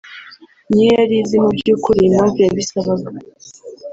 Ni yo yari izi mu by’ukuri impamvu yabisabaga